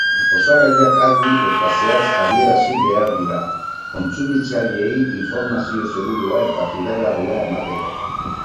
Osagaiak argi eta zehatz adierazi behar dira, kontsumitzaileei informazio segurua eta fidagarria emateko.